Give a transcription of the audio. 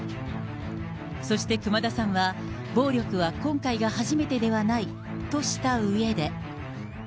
そして熊田さんは、暴力は今回が初めてではないとしたうえで。